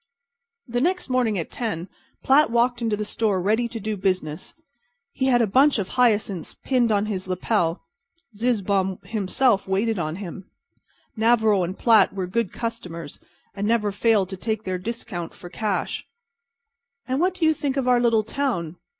The next morning at 10 Platt walked into the store ready to do business. He had a bunch of hyacinths pinned on his lapel. Zizzbaum himself waited on him. Navarro & Platt were good customers, and never failed to take their discount for cash. "And what did you think of our little town?"